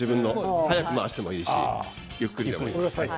速く回してもいいしゆっくりでもいい。